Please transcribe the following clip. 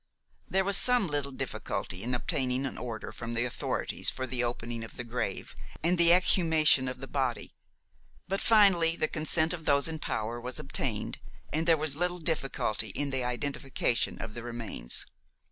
There was some little difficulty in obtaining an order from the authorities for the opening of the grave and the exhumation of the body; but finally the consent of those in power was obtained, and there was little difficulty in the identification of the remains.